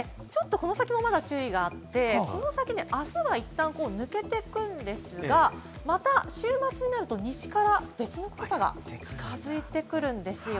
この先も注意があって、明日は一旦、抜けていくんですが、また週末になると西から別の黄砂が近づいてくるんです。